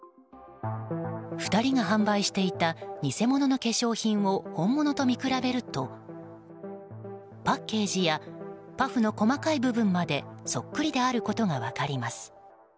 ２人が販売していた偽物の化粧品を本物と見比べるとパッケージやパフの細かい部分までそっくりであることが分かります。